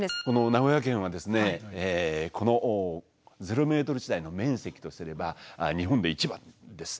名古屋圏はこのゼロメートル地帯の面積とすれば日本で一番です。